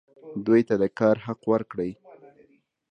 دوی ته د کار حق ورکړئ